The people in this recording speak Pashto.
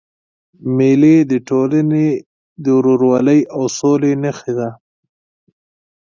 مېلې د ټولني د ورورولۍ او سولي نخښه ده.